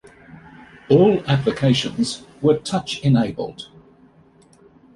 All applications were touch-enabled.